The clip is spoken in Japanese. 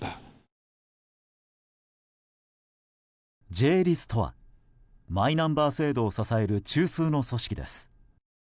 Ｊ‐ＬＩＳとはマイナンバー制度を支える中枢の組織です。